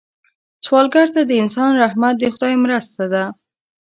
سوالګر ته د انسان رحمت د خدای مرسته ده